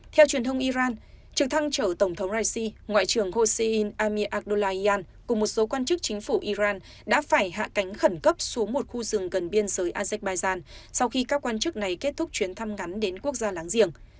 theo truyền thông iran trực thăng chở tổng thống raisi ngoại trưởng hosehin amir adullahian cùng một số quan chức chính phủ iran đã phải hạ cánh khẩn cấp xuống một khu rừng gần biên giới azerbaijan sau khi các quan chức này kết thúc chuyến thăm ngắn đến quốc gia láng giềng